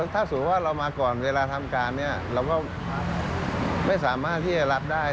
ถ้าสมมุติว่าเรามาก่อนเวลาทำการเนี่ยเราก็ไม่สามารถที่จะรับได้